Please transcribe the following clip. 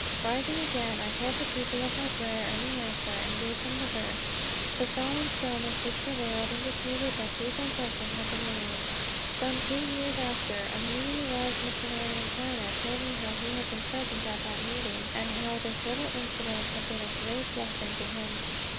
Rising again, I told the people of my prayer and the answer, and gave them the verse. The solemn stillness which prevailed indicated that a deep impression had been made. Some two years after, a newly arrived missionary in China told me he had been present at that meeting, and how this little incident had been a great blessing to him.